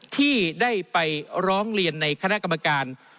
ที่ได้ไปร้องเรียนในคณะกรรมการ